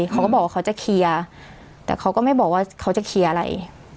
เขาก็บอกว่าเขาจะเคลียร์แต่เขาก็ไม่บอกว่าเขาจะเคลียร์อะไร